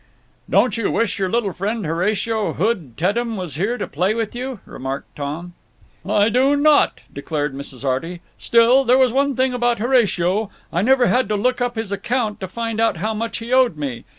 "Don't you wish your little friend Horatio Hood Teddem was here to play with you?" remarked Tom. "I do not," declared Mrs. Arty. "Still, there was one thing about Horatio. I never had to look up his account to find out how much he owed me.